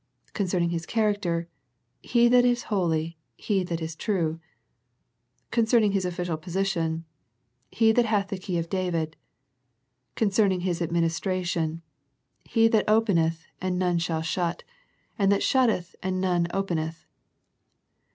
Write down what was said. Concerning His character ;" He that is holy. He that is true :" concerning His official position ;" He that hath the key of David :" concerning His administration ;" He that openeth, and none shall shut, and that shutteth 159 i6o A First Century Message and none openeth."